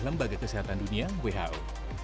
lembaga kesehatan dunia who